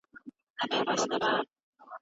تر کفايت اضافه مصارف اسراف بلل کيږي.